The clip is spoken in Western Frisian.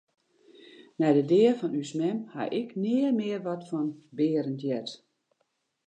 Nei de dea fan ús mem haw ik nea mear wat fan Berend heard.